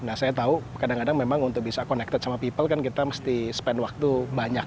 nah saya tahu kadang kadang memang untuk bisa connected sama people kan kita mesti spend waktu banyak